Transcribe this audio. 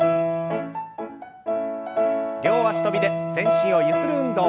両脚跳びで全身をゆする運動。